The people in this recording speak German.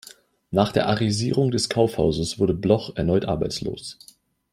Nach der Arisierung des Kaufhauses wurde Bloch erneut arbeitslos.